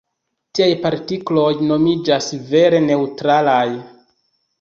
Tiaj partikloj nomiĝas "vere neŭtralaj".